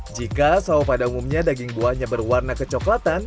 jika sahu pada umumnya daging buahnya berwarna kecoklatan